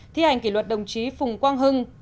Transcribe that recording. thi hành kỷ luật đồng chí phùng quang